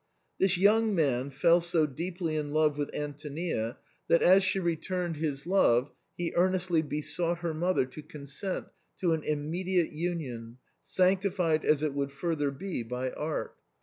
This young man fell so deeply in love with Antonia that, as she returned his love, he earnestly besought her mother to consent to an immediate union, sanctified as it would further be by art.